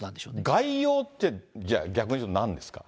概要って、じゃあ逆に言うとなんですか？